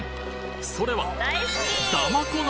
それは？